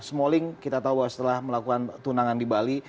smalling kita tahu bahwa setelah melakukan tunangan di bali